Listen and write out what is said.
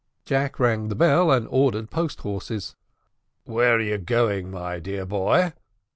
Jack rang the bell, and ordered post horses. "Where are you going, my dear boy?"